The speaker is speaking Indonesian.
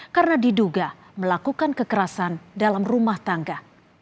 karena diduga melakukan kekerasan dalam rumah tangga